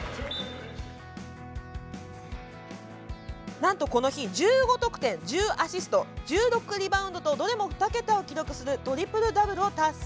なんと、この日、１５得点１０アシスト１６リバウンドとどれも２桁を記録するトリプルダブルを達成。